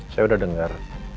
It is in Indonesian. saya udah dengar